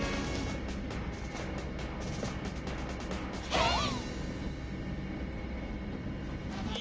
ヘイ！